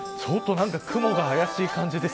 雲があやしい感じです。